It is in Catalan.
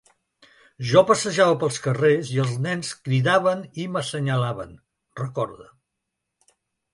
Jo passejava pels carrers i els nens cridaven i m’assenyalaven, recorda.